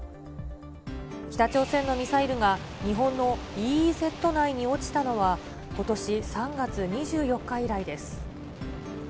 北朝鮮のミサイルが、日本のＥＥＺ内に落ちたのは、ことし３月２４日以来です。